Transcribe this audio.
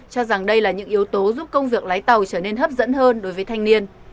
cho rằng đây là những yếu tố giúp công việc lái tàu trở nên hấp dẫn hơn đối với thanh niên